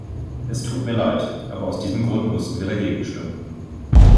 Es tut mir leid, aber aus diesem Grund mussten wir dagegen stimmen.